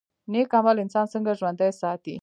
نیک عمل انسان څنګه ژوندی ساتي؟